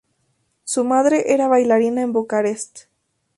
Su madre era bailarina en Bucarest.